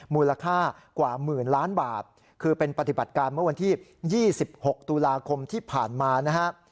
มูลค่ากว่าหมื่นล้านบาทคือเป็นปฏิบัติการเมื่อวันที่๒๖ตุลาคมที่ผ่านมานะฮะ